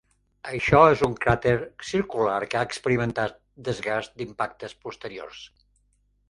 Això és un cràter circular que ha experimentat desgast d'impactes posteriors.